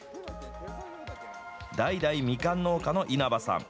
代々ミカン農家の稲葉さん。